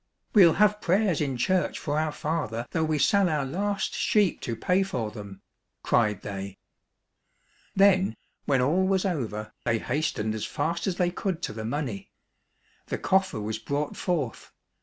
'' We'll have prayers in church for our father though we sell our last sheep to pay for them," cried they. Then, when all was over, they hastened as fast as they could to the money. The coffer was brought forth.